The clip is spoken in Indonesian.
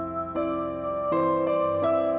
ma aku mau pergi